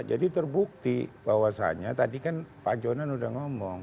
jadi terbukti bahwasannya tadi kan pak jonan sudah ngomong